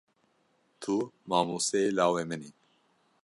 Tu mamosteyê lawê min î.